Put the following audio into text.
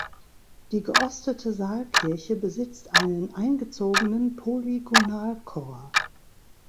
Die geostete Saalkirche besitzt einen eingezogenen Polygonalchor.